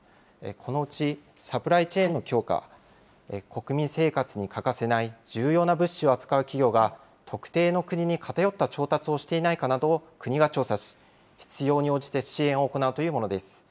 このうちサプライチェーンの強化、国民生活に欠かせない重要な物資を扱う企業が、特定の国に偏った調達をしていないかなどを国が調査し、必要に応じて支援を行うというものです。